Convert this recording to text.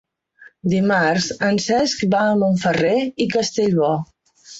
Dimarts en Cesc va a Montferrer i Castellbò.